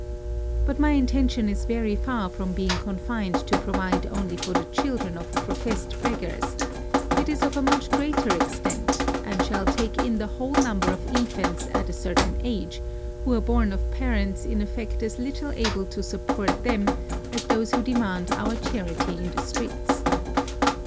But my intention is very far from being confined to provide only for the children of professed beggars: it is of a much greater extent, and shall take in the whole number of infants at a certain age, who are born of parents in effect as little able to support them, as those who demand our charity in the streets.